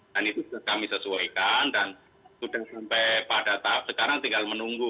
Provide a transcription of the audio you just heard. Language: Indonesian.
dan itu sudah kami sesuaikan dan sudah sampai pada tahap sekarang tinggal menunggu